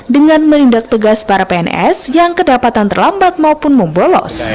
dengan menindak tegas para pns yang kedapatan terlambat maupun membolos